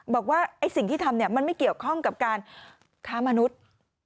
บอกว่าสิ่งที่ทำมันไม่เกี่ยวข้องกับการค้ามนุษย์